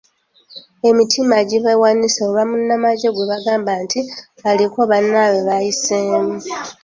Emitima gibeewanise olwa munnamagye gwe bagamba nti aliko bannaabwe b'ayiseemu.